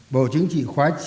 bộ chính trị khóa chín